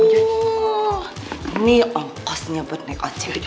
tuh nih ongkosnya buat nek ojek